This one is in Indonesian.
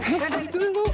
eh segitu ya om